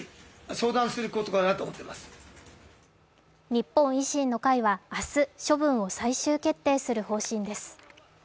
日本維新の会は明日処分を最終決定する方針です。